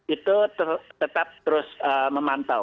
itu tetap terus memantau